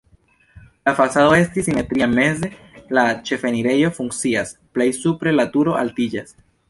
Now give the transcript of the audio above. La fasado estis simetria, meze la ĉefenirejo funkcias, plej supre la turo altiĝas.